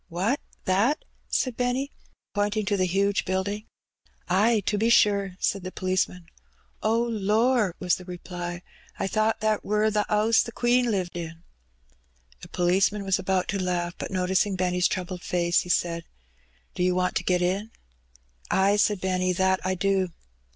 What, that?" said Benny, pomtmg to the huge boildingii^ €C Bunny Peays. 113 " Ay, to be Bore," said the policeman. "Oh, lor*!" was the reply, "I thought that wur the 'ouse the Queen lived in." The pohceman was about to laugh, but noticing Benny's troabled face, he said — "Do you want to get in?" " A.j" said Benny, " that I do."